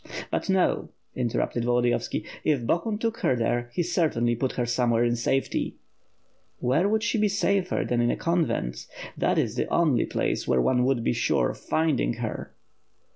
"But no," interrupted Volodiyovski, "if Bohun took her there, he certainly put her somewhere in safety." "Where would she be safer than in a convent? That is the only place where one would be sure of finding her."